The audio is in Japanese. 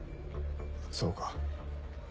そうか。